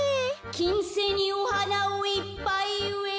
「きんせいにおはなをいっぱいうえるんだあ